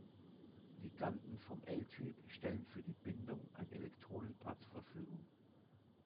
Liganden vom L-Typ stellen für die Bindung ein Elektronenpaar zur Verfügung.